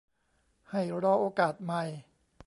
ให้รอโอกาสใหม่